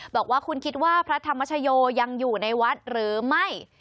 บอกว่าคุณคิดว่าพระธรรมชโยยังอยู่ในวัดหรือไม่